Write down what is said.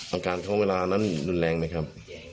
อาการของเวลานั้นรุนแรงไหมครับ